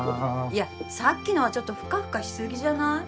いやさっきのはちょっとフカフカしすぎじゃない？